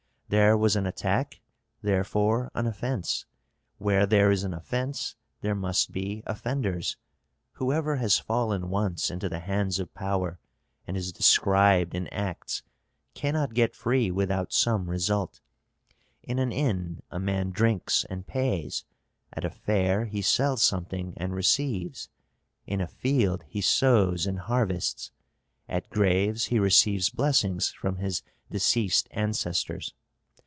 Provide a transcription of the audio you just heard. "There was an attack, therefore an offence. Where there is an offence there must be offenders. Whoever has fallen once into the hands of power, and is described in acts, cannot get free without some result. In an inn a man drinks and pays; at a fair he sells something and receives; in a field he sows and harvests; at graves he receives blessings from his deceased ancestors.